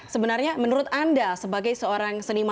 sebenarnya menurut anda sebagai seorang seniman